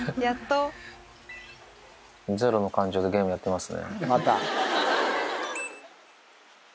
ゼロの感情でゲームやってますね。